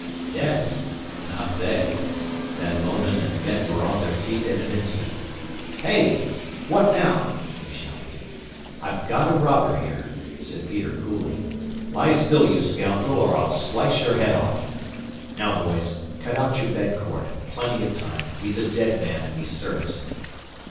Dead? Not they! Van Mounen and Ben were on their feet in an instant. "Hey! What now?" they shouted. "I've got a robber here," said Peter coolly. "Lie still, you scoundrel, or I'll slice your head off! Now, boys, cut out your bed cord plenty of time he's a dead man if he stirs."